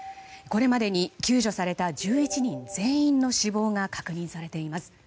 これまでに救助された１１人全員の死亡が確認されています。